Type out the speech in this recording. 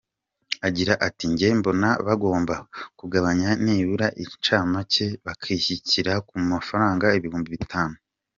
Agira ati :’’ Jye mbona bagomba kugabanya nibura icya make bakagishyira ku mafaranga ibihumbi bitanu”.